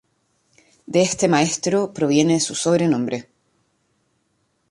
De este maestro proviene su sobrenombre.